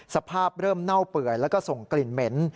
สภาพเริ่มเน่าเปื่อยแล้วก็ส่งกลิ่นเหม็น